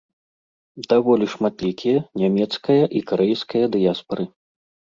Даволі шматлікія нямецкая і карэйская дыяспары.